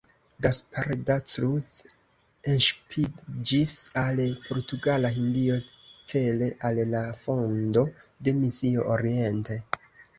Gaspar da Cruz enŝipiĝis al Portugala Hindio cele al la fondo de misio Oriente.